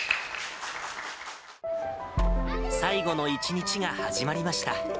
最後の一日が始まりました。